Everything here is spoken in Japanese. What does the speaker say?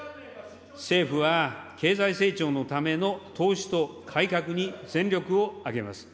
政府は、経済成長のための投資と改革に全力を挙げます。